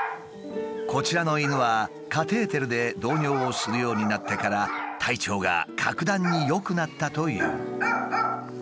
こちらの犬はカテーテルで導尿をするようになってから体調が格段に良くなったという。